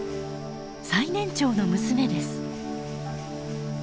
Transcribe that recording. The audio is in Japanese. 最年長の娘です。